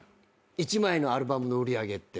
一枚のアルバムの売り上げって。